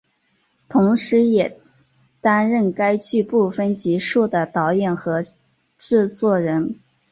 同时也担任该剧部分集数的导演和制作人。